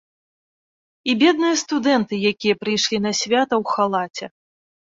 І бедныя студэнты, якія прыйшлі на свята ў халаце.